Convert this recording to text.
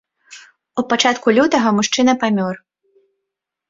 У пачатку лютага мужчына памёр.